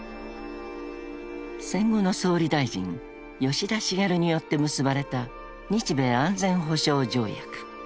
［戦後の総理大臣吉田茂によって結ばれた日米安全保障条約］